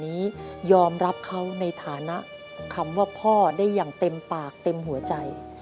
ให้เด็กของบ้านหลังนี้ยอมรับเขาในฐานะคำว่าพ่อได้อย่างเต็มปากเต็มหัวใจ